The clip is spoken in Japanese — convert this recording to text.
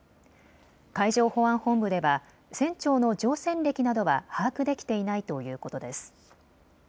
海上保安本部では船長の乗船歴などは把握できていないということです。